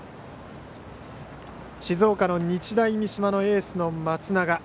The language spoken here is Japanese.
静岡の日大三島のエースの松永。